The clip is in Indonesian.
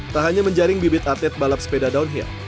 tak hanya menjaring bibit atlet balap sepeda downhill